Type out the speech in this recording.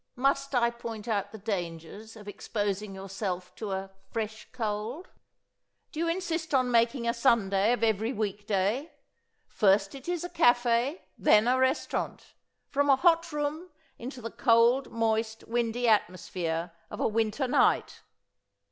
Must I point out the dangers of exposing yourself to a 'fresh cold'? Do you insist on making a Sunday of every week day? First, it's a café, then, a restaurant! From a hot room into the cold, moist, windy atmosphere of a winter night!"